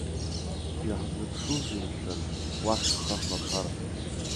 Иаҳзыԥшузеи, мшәан, уахь ҳхы ҳмырхар?